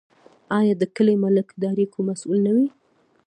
آیا د کلي ملک د اړیکو مسوول نه وي؟